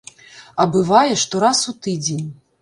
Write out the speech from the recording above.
А бывае, што раз у тыдзень.